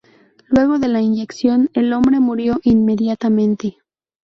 Luego de la inyección, el hombre murió inmediatamente.